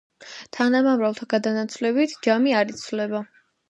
თანამამრავლთა გადანაცვლებით ჯამი არ იცვლება.